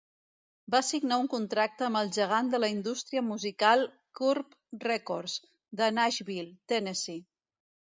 Va signar un contracte amb el gegant de la indústria musical Curb Records de Nashville, Tennessee.